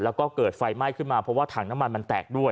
แล้วก็เกิดไฟไหม้ขึ้นมาเพราะว่าถังน้ำมันมันแตกด้วย